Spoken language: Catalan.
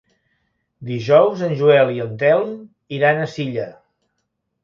Dijous en Joel i en Telm iran a Silla.